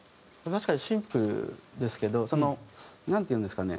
確かにシンプルですけどそのなんていうんですかね